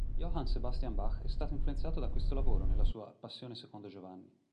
Johann Sebastian Bach è stato influenzato da questo lavoro nella sua "Passione secondo Giovanni".